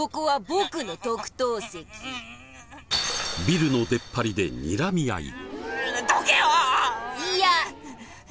ビルの出っ張りでにらみ合い。